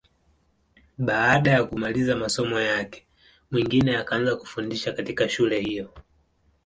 Baada ya kumaliza masomo yake, Mwingine akaanza kufundisha katika shule hiyo.